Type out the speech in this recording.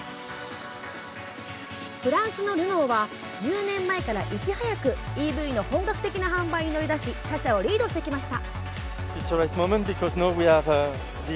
フランスのルノーは１０年前からいち早くＥＶの本格的な販売に乗り出し他社をリードしてきました。